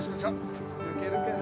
抜けるかな？